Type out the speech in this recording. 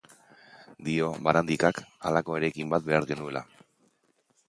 Dio Barandikak, halako eraikin bat behar genuela.